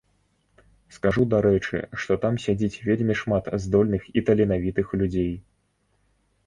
Скажу, дарэчы, што там сядзіць вельмі шмат здольных і таленавітых людзей.